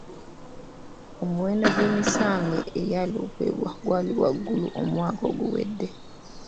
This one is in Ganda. Omuwendo gw'emisanga egyaloopebwa gwali waggulu omwaka oguwedde.